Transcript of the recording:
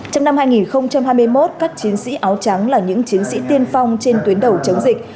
trong năm hai nghìn hai mươi một các chiến sĩ áo trắng là những chiến sĩ tiên phong trên tuyến đầu chống dịch